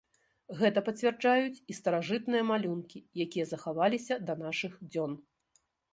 Гэта пацвярджаюць і старажытныя малюнкі, якія захаваліся да нашых дзён.